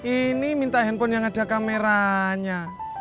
ini minta handphone yang ada kameranya